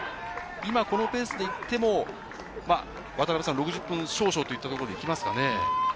今このペースでいっても６０分少々といったところでいきますかね？